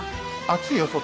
暑いよ外。